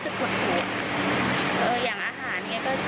จนนักภูมิต้องโบยไวเหมือนข้างในเป็นกรรมแล้วค่ะ